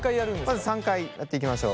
まず３回やっていきましょう。